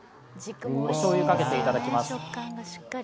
しょうゆをかけていただきます。